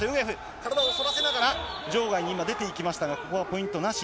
体を反らせながら、場外に今、出ていきましたが、ここはポイントなし。